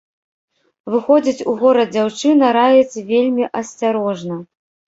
Выходзіць у горад дзяўчына раіць вельмі асцярожна.